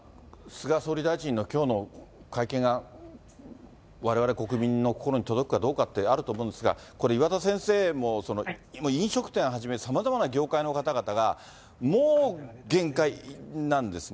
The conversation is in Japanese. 菅総理大臣のきょうの会見が、われわれ国民の心に届くかどうかってあると思うんですが、これ、岩田先生も飲食店をはじめ、さまざまな業界の方々が、もう限界なんですね。